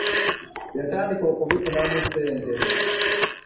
Yatandika okubifunamu ssente.